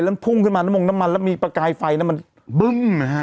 แล้วพุ่งขึ้นมาน้ำมงน้ำมันแล้วมีประกายไฟมันบึ้มนะฮะ